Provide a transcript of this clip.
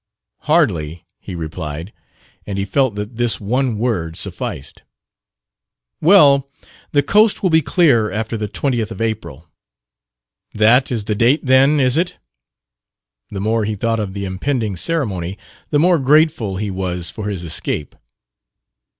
"Hardly," he replied. And he felt that this one word sufficed. "Well, the coast will be clear after the twentieth of April." "That is the date, then, is it?" The more he thought of the impending ceremony, the more grateful he was for his escape.